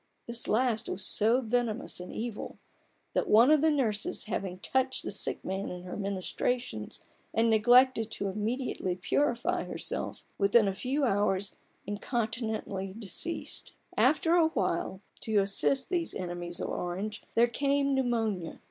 This last was so venomous an evil, that one of the nurses having touched the sick man in her ministrations, and neglected to immediately purify herself, within a few hours incontinently deceased. After a while, to assist these enemies of Orange, there came pneumonia.